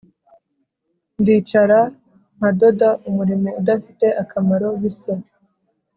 ndicara nkadoda - umurimo udafite akamaro bisa,